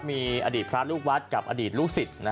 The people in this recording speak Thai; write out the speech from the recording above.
มีอดีตพระลูกวัดกับอดีตลูกศิษย์